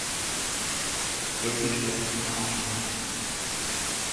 Több is veszett Mohácsnál.